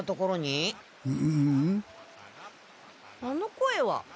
あの声は？